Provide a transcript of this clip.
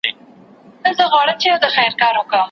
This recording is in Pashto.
ښوونکی زدهکوونکو ته مثبت درسونه وړاندې کوي.